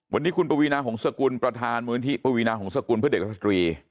วันนี้คุณปวีนาหงษกุลประธานมูลนิธิปวีนาหงษกุลเพื่อเด็กและสตรี